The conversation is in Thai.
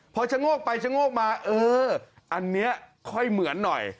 พอชะโงกไปชะโงกมาเอออันนี้ค่อยเหมือนหน่อย